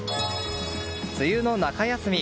梅雨の中休み。